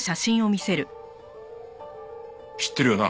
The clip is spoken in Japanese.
知ってるよな？